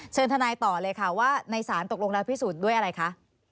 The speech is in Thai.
ทนายต่อเลยค่ะว่าในศาลตกลงแล้วพิสูจน์ด้วยอะไรคะ